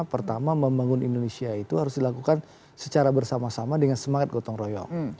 pertama membangun indonesia itu harus dilakukan secara bersama sama dengan semangat gotong royong